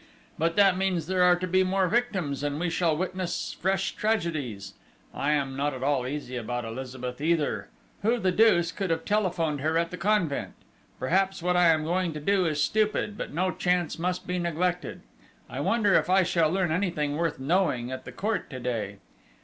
But, that means there are to be more victims, and we shall witness fresh tragedies!... I am not at all easy about Elizabeth either!... Who the deuce could have telephoned to her at the convent?... Perhaps what I am going to do is stupid, but no chance must be neglected.... I wonder if I shall learn anything worth knowing at the court to day?...